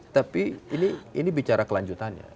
tapi ini bicara kelanjutannya